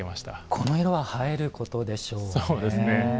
この色は映えることでしょうね。